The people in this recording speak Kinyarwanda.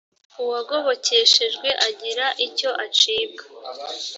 uwagobokeshejwe agira icyo acibwa